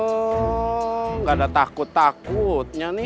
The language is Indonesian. oh nggak ada takut takutnya nih